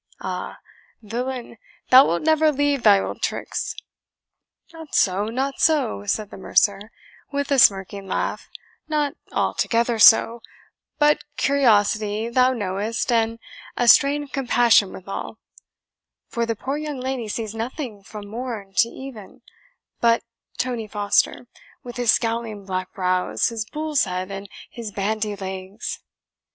Ah! villain, thou wilt never leave thy old tricks." "Not so not so," said the mercer, with a smirking laugh "not altogether so but curiosity, thou knowest, and a strain of compassion withal; for the poor young lady sees nothing from morn to even but Tony Foster, with his scowling black brows, his bull's head, and his bandy legs."